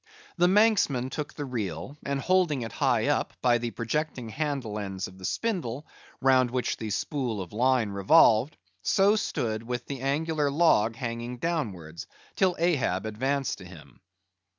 The Manxman took the reel, and holding it high up, by the projecting handle ends of the spindle, round which the spool of line revolved, so stood with the angular log hanging downwards, till Ahab advanced to him.